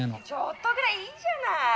「ちょっとぐらいいいじゃない！